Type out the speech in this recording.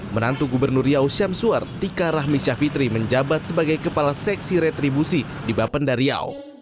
menantu gubernur riau syamsuar tika rahmi syafitri menjabat sebagai kepala seksi retribusi di bapenda riau